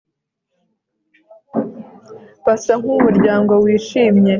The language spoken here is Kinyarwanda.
Basa nkumuryango wishimye